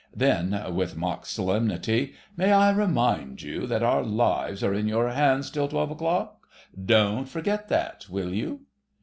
"Then," with mock solemnity, "may I remind you that our lives are in your hands till twelve o'clock? Don't forget that, will you?"